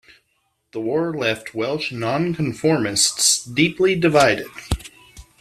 The war left Welsh non-conformists deeply divided.